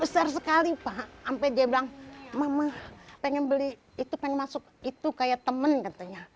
besar sekali pak sampai dia bilang mama pengen beli itu pengen masuk itu kayak temen katanya